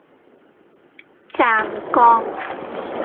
湛江